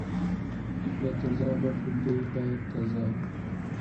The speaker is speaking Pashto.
د تازه غوښې بوی باید تازه وي.